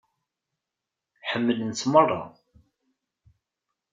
Ḥemmlen-tt merra.